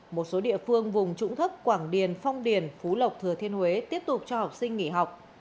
một số địa phương vùng trũng thấp quảng điền phong điền phú lộc thừa thiên huế tiếp tục cho học sinh nghỉ học